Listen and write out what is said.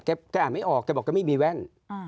แกอ่านไม่ออกแกบอกแกไม่มีแว่น